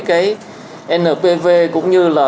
cái npv cũng như là